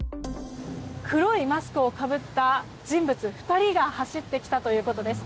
黒いマスクをかぶった人物２人が走ってきたということです。